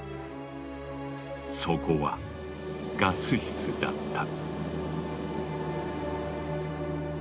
そこはガス室だった。